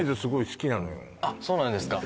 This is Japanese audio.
あっそうなんですか私